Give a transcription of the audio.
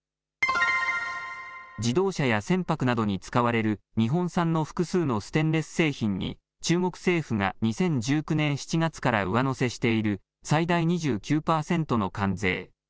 自動車や船舶などに使われる日本産の複数のステンレス製品に中国政府が２０１９年７月から上乗せしている最大２９％の関税。